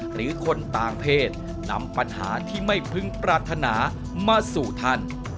หรือคนต่างเพศนำปัญหาที่ไม่พึงปรารถนามาสู่ท่าน